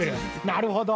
なるほど！